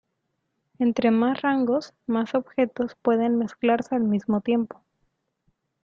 Entre más rangos más objetos pueden mezclarse al mismo tiempo.